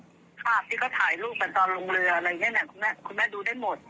ภาพที่เขาถ่ายรูปกันตอนลงเรืออะไรอย่างนี้คุณแม่ดูได้หมด